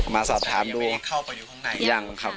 มาสอบถามดูยังค่ะ